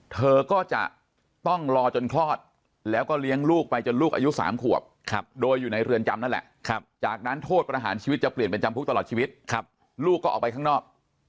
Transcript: เธอก็จะต้องรอจนคลอดแล้วก็เลี้ยงลูกไปจนลูกอายุ๓ขวบโดยอยู่ในเรือนจำนั่นแหละจากนั้นโทษประหารชีวิตจะเปลี่ยนเป็นจำคุกตลอดชีวิตลูกก็ออกไปข้างนอก